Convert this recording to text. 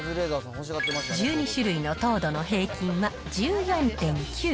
１２種類の糖度の平均は１４．９。